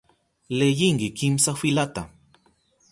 Leyinki kimsa filata.